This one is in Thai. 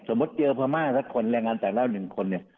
สมมติเจอพม่าสักคนแรงงานแต่ละ๑คนเนี่ย